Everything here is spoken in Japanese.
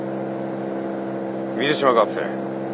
水島学生。